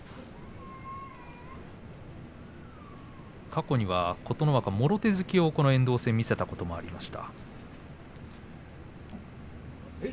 過去には琴ノ若はもろ手突きをこの遠藤戦で見せたことがあります。